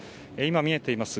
見えています